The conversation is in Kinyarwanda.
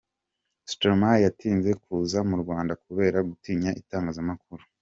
Stromae yatinze kuza mu Rwanda kubera gutinya itangazamakuru.